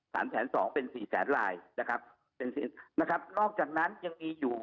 แสนสองเป็นสี่แสนลายนะครับเป็นสินนะครับนอกจากนั้นยังมีอยู่